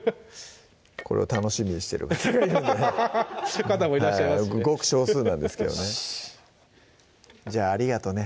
これを楽しみにしてる方がいるのでそういう方もいらっしゃいますねごく少数なんですけどねじゃあありがとね